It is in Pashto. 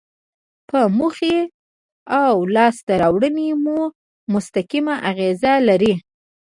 په موخې او لاسته راوړنې مو مستقیم اغیز لري.